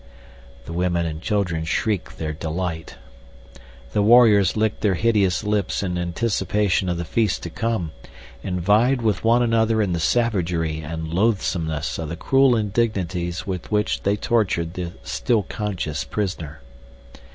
The women and children shrieked their delight. The warriors licked their hideous lips in anticipation of the feast to come, and vied with one another in the savagery and loathsomeness of the cruel indignities with which they tortured the still conscious prisoner.